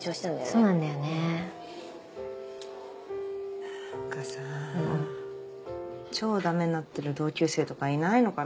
何かさ超ダメになってる同級生とかいないのかな？